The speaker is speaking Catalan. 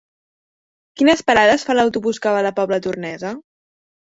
Quines parades fa l'autobús que va a la Pobla Tornesa?